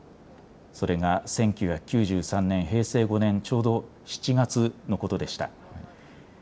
それが１９９３年、平成５年、ちょうど７月のことでした。